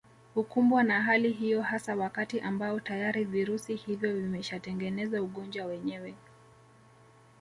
Hukumbwa na hali hiyo hasa wakati ambao tayari virusi hivyo vimeshatengeneza ugonjwa wenyewe